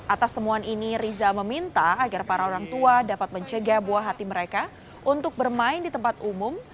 atas temuan ini riza meminta agar para orang tua dapat mencegah buah hati mereka untuk bermain di tempat umum